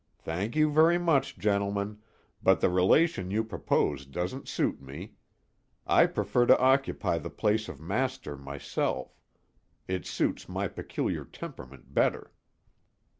Thank you very much, gentlemen, but the relation you propose doesn't suit me. I prefer to occupy the place of master myself. It suits my peculiar temperament better."